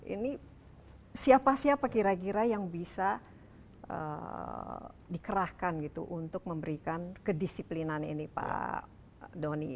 ini siapa siapa kira kira yang bisa dikerahkan gitu untuk memberikan kedisiplinan ini pak doni